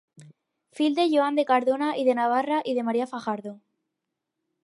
Fill de Joan de Cardona i de Navarra i de Maria Fajardo.